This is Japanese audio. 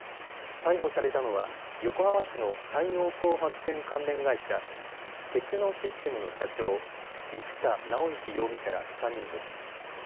逮捕されたのは横浜市の太陽光発電関連会社、テクノシステムの社長、生田尚之容疑者ら３人です。